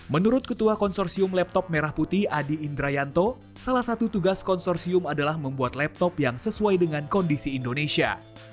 menurut ketua konsorsium laptop merah putih adi indrayanto salah satu tugas konsorsium adalah membuat laptop yang sesuai dengan kondisi indonesia